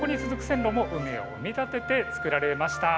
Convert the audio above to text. そこに続く線路も海を埋め立てられて作られました。